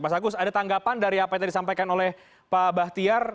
mas agus ada tanggapan dari apa yang tadi disampaikan oleh pak bahtiar